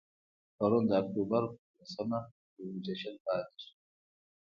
پرون د اکتوبر په لسمه، پرزنټیشن وړاندې شو.